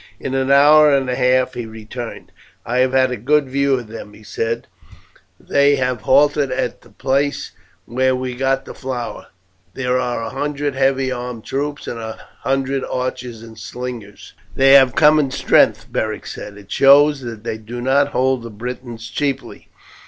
In an hour and a half he returned. "I have had a good view of them," he said; "they have halted at the place where we got the flour. There are a hundred heavy armed troops and a hundred archers and slingers." "They have come in strength," Beric said; "it shows that they do not hold the Britons cheaply.